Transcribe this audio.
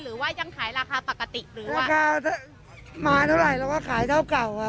หรือว่ายังขายราคาปกติหรือว่าถ้ามาเท่าไหร่เราก็ขายเท่าเก่าอ่ะ